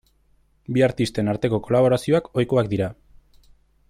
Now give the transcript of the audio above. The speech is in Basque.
Bi artisten arteko kolaborazioak ohikoak dira.